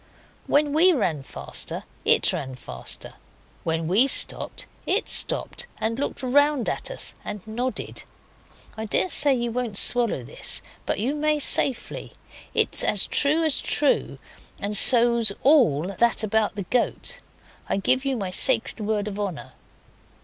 When we ran faster it ran faster; when we stopped it stopped and looked round at us, and nodded. (I daresay you won't swallow this, but you may safely. It's as true as true, and so's all that about the goat. I give you my sacred word of honour.)